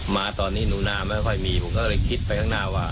มาตอนนี้หนูนาไม่ค่อยมีผมก็เลยคิดไปข้างหน้าว่า